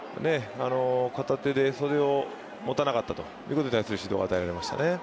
片手で袖を持たなかったというところで指導が与えられましたね。